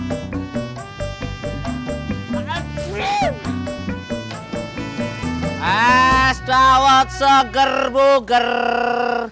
eh sudah waktu ger bu ger